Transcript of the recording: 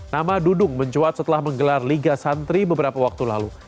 nama dudung mencuat setelah menggelar liga santri beberapa waktu lalu